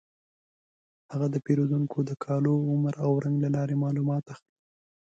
هغه د پیریدونکو د کالو، عمر او رنګ له لارې معلومات اخلي.